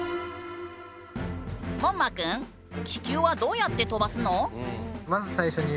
モンマくん気球はどうやって飛ばすの？